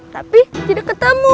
tapi tidak ketemu